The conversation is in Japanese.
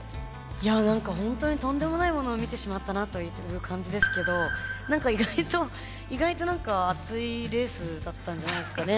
いや何かホントにとんでもないものを見てしまったなという感じですけど何か意外と意外と何か熱いレースだったんじゃないですかね。